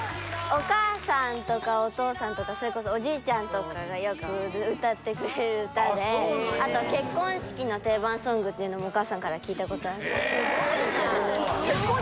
お母さんとかお父さんとかそれこそおじいちゃんとかがよく歌ってくれる歌でっていうのもお母さんから聞いたことあります